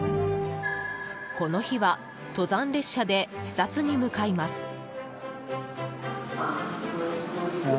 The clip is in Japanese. この日は登山列車で視察に向かいます。